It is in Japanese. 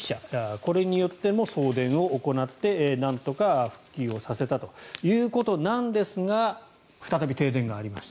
これによっても送電を行ってなんとか復旧をさせたということなんですが再び停電がありました。